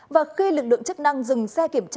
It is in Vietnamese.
và khi lực lượng chức năng tiếp tục điều tra làm rõ